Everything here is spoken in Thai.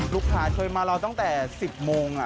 ลูกค้าช่วยมาเราตั้งแต่๑๐โมง